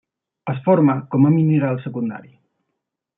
Es forma com a mineral secundari.